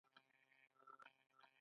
د کابل شفتالو کوم ډولونه لري؟